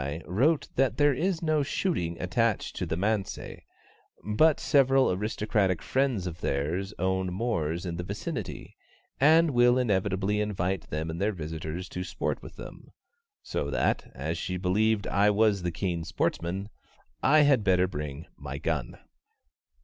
wrote that there is no shooting attached to the manse, but several aristocratic friends of theirs own moors in the vicinity, and will inevitably invite them and their visitors to sport with them, so that, as she believed I was the keen sportsman, I had better bring my gun.